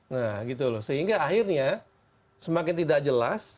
nah gitu loh sehingga akhirnya semakin tidak jelas